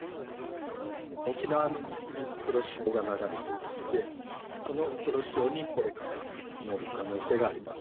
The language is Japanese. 沖縄の西に黒潮が流れていまして、この黒潮にこれから乗る可能性があります。